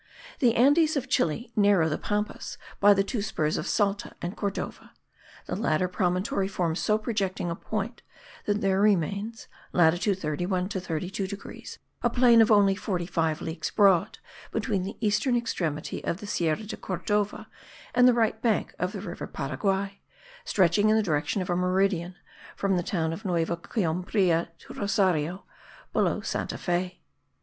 The Andes of Chile narrow the Pampas by the two spurs of Salta and Cordova; the latter promontory forms so projecting a point that there remains (latitude 31 to 32 degrees) a plain only 45 leagues broad between the eastern extremity of the Sierra de Cordova and the right bank of the river Paraguay, stretching in the direction of a meridian, from the town of Nueva Coimbra to Rosario, below Santa Fe.